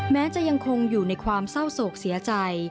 แม้จะยังคงอยู่ในความเศร้าโศกเสียใจ